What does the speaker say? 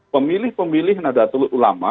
pemilih pemilih nadatul ulama